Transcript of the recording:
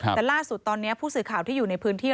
แต่ล่าสุดตอนนี้ผู้สื่อข่าวที่อยู่ในพื้นที่